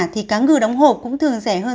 thì cá ngừ đóng hộp cũng thường rẻ hơn